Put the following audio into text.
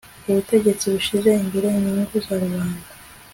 ubutegetsi bushyize imbere inyungu za rubanda